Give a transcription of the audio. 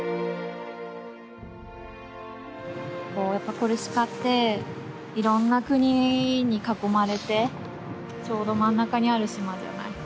コルシカっていろんな国に囲まれてちょうど真ん中にある島じゃない。